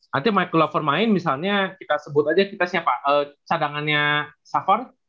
nanti mike glover main misalnya kita sebut aja kita siapa sadangannya safar